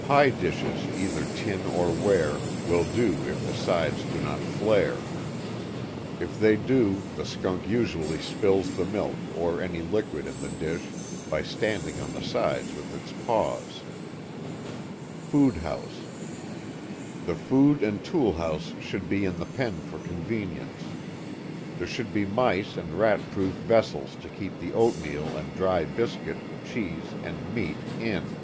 Pie dishes either tin or ware, will do if the sides do not flare. If they do the skunk usually spills the milk or any liquid in the dish, by standing on the sides with its paws. 8.ŌĆöFood House. The food and tool house should be in the pen for convenience. There should be mice and rat proof vessels to keep the oatmeal and dry biscuit, cheese, and meat in.